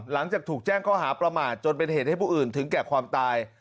หลังจากถูกแจ้งข้อหาประมาทจนเป็นเหตุให้ผู้อื่นถึงแก่ความตาย